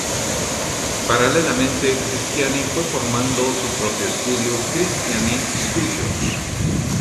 Paralelamente, Cristiani fue formando su propio estudio, "Cristiani Studios".